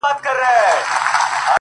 جنت د حورو دی” دوزخ د سيطانانو ځای دی”